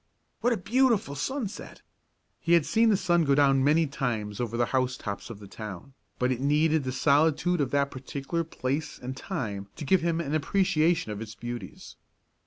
What a beautiful sunset!" He had seen the sun go down many times over the housetops of the town, but it needed the solitude of that particular place and time to give him an appreciation of its beauties.